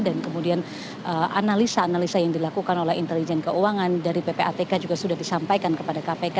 dan kemudian analisa analisa yang dilakukan oleh intelijen keuangan dari ppatk juga sudah disampaikan kepada kpk